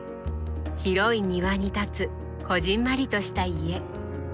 広い庭に建つこぢんまりとした家。